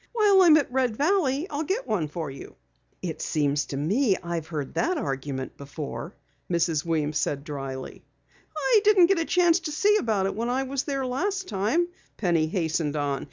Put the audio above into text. "While I'm at Red Valley I'll get one for you." "It seems to me I've heard that argument before," Mrs. Weems said dryly. "I didn't get a chance to see about it when I was there last time," Penny hastened on.